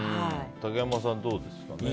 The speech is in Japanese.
竹山さん、どうですかね？